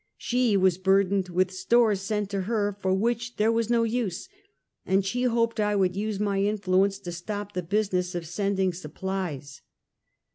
She was burdened with stores sent to her for which there was no use; and she hoped Iwould use my influence to stop the business of sending supplies.